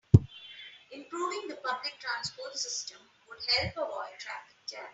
Improving the public transport system would help avoid traffic jams.